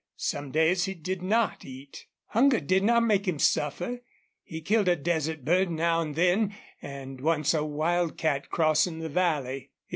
Some days he did not eat. Hunger did not make him suffer. He killed a desert bird now and then, and once a wildcat crossing the valley.